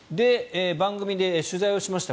番組で取材をしました。